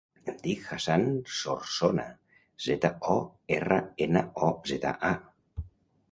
Em dic Hassan Zornoza: zeta, o, erra, ena, o, zeta, a.